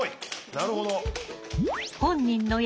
なるほど。